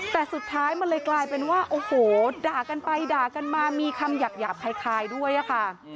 แต่สุดท้ายมันเลยกลายเป็นว่าโอ้โหด่ากันไปด่ากันมามีคำหยาบคล้ายด้วยอะค่ะ